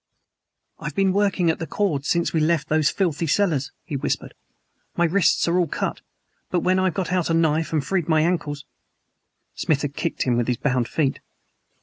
"I've been working at the cords since we left those filthy cellars," he whispered. "My wrists are all cut, but when I've got out a knife and freed my ankles " Smith had kicked him with his bound feet.